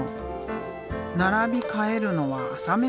並び替えるのは朝飯前。